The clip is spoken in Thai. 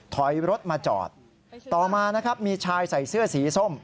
ถอยรถมาจอดต่อมานะครับมีชายใส่เสื้อสีส้ม